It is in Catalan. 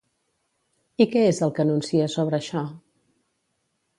I què és el que anuncia sobre això?